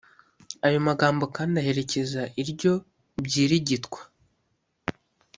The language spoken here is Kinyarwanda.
ayo magambo kandi aherekeza iryo byirigitwa